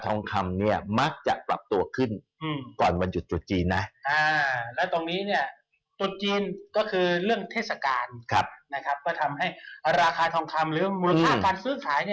ก็ทำให้ราคาทองคำหรือมูลค่าฟันซื้อขาย